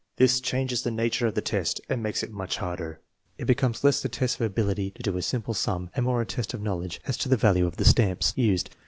This changes the nature of the test and makes it much harder. It becomes less a test of ability to do a simple sum, and more a test of knowledge as to the value of the stamps used.